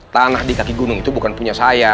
tanah di kaki gunung itu bukan punya saya